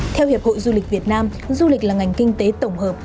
theo hiệp hội du lịch việt nam du lịch là ngành kinh tế tổng hợp